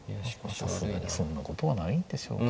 さすがにそんなことはないんでしょうかね。